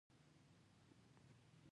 دوکاندار سکې پورته کړې او خوشحاله شو.